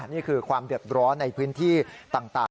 นี่คือความเดือดร้อนในพื้นที่ต่าง